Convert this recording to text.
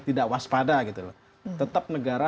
tidak waspada tetap negara